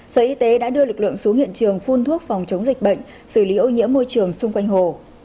sở y tế đã đưa lực lượng xuống hiện trường phun thuốc phòng chống dịch bệnh xử lý ô nhiễm môi trường xung quanh hồ